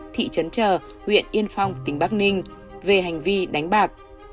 thị trấn trở huyện yên phong tỉnh bắc ninh về hành vi đánh bạc